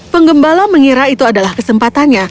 penggembala mengira itu adalah kesempatannya